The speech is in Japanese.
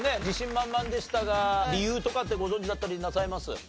自信満々でしたが理由とかってご存じだったりなさいます？